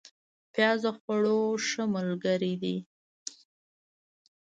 پیاز د خوړو ښه ملګری دی